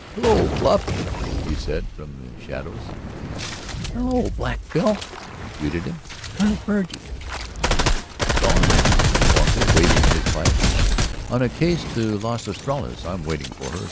"Hello, Fluff," he said from the shadows. "Hello, Black Bill," she greeted him. "Where's Virgie?" "Gone," he informed her, waving his pipe. "On a case to Las Estrellas. I'm waiting for her.